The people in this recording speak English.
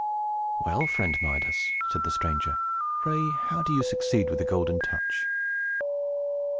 "Well, friend Midas," said the stranger, "pray how do you succeed with the Golden Touch?"